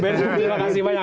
beda persi duduk